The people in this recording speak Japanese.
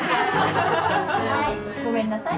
はいごめんなさい。